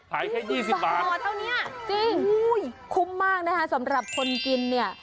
ขายแค่๒๐บาทต่อเท่านี้จริงคุ้มมากนะคะสำหรับคนกินเนี่ย